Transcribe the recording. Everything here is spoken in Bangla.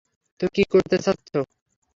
তুমি কী করতে চাচ্ছো?